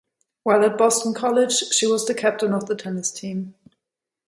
While at Boston College she was the captain of the tennis team.